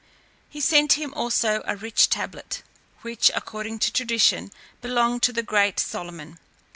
He sent him also a rich tablet, which, according to tradition, belonged to the great Solomon.